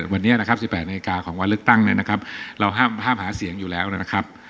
วันนี้นะครับ๑๘นาฬิกาของวันเลือกตั้งเนี่ยนะครับเราห้ามหาเสียงอยู่แล้วนะครับ